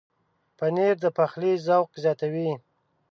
پنېر د پخلي ذوق زیاتوي.